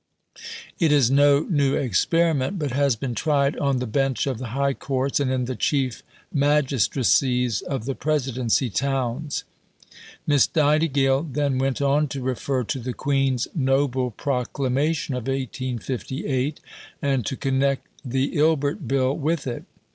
It is no new experiment, but has been tried on the Bench of the High Courts and in the Chief Magistracies of the Presidency towns." Miss Nightingale then went on to refer to the Queen's "noble proclamation" of 1858, and to connect the Ilbert Bill with it.